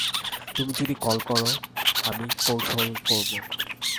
তুমি যদি কল কর, আমি কৌশল করব।